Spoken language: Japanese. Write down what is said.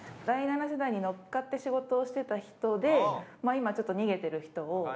第七世代に乗っかって仕事をしてた人で今ちょっと逃げてる人を。